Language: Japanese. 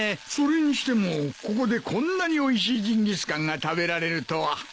それにしてもここでこんなにおいしいジンギスカンが食べられるとは。